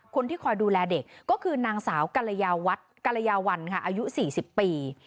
คนที่คอยดูแลเด็กก็คือนางสาวกรยาวัลอายุ๔๐ปี